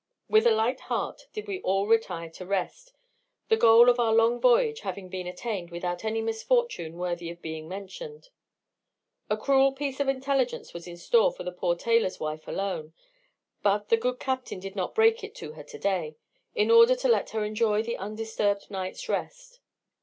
With a light heart did we all retire to rest; the goal of our long voyage had been attained without any misfortune worthy of being mentioned. A cruel piece of intelligence was in store for the poor tailor's wife alone; but the good captain did not break it to her today, in order to let her enjoy an undisturbed night's rest.